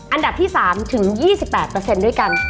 อันดับที่๓ถึง๒๘ด้วยกัน